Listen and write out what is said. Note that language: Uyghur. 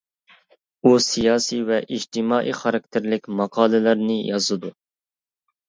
ئۇ سىياسىي ۋە ئىجتىمائىي خاراكتېرلىك ماقالىلەرنى يازىدۇ.